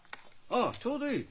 ああちょうどいい。